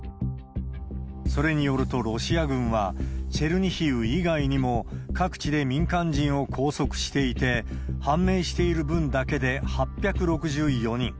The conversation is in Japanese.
それによるとロシア軍は、チェルニヒウ以外にも、各地で民間人を拘束していて、判明している分だけで８６４人。